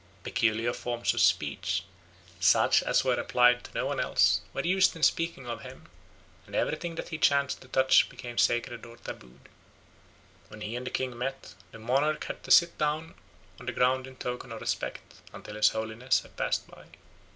Peculiar forms of speech, such as were applied to no one else, were used in speaking of him, and everything that he chanced to touch became sacred or tabooed. When he and the king met, the monarch had to sit down on the ground in token of respect until his holiness had passed by.